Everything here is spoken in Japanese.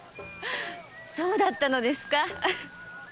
そうだったのですか。